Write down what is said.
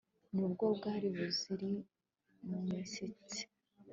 nubwo bwari buziri mu mitsi